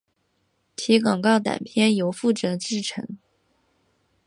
其广告短片由负责制作。